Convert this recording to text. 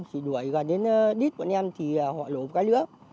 thì đuổi gần đến đít bọn em thì họ lổ một cái nữa